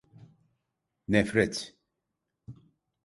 Nefret…